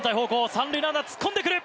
３塁ランナー突っ込んでくる！